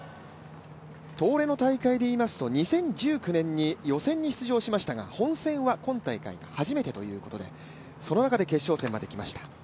東レの大会で言いますと２０１９年に予選に出場しましたが、本戦は今大会が初めてということでその中で決勝戦まで来ました。